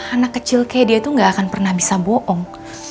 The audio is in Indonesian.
anak kecil kayak dia itu gak akan pernah bisa bohong